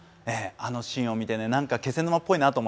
あのシーンを見てね何か気仙沼っぽいなと思って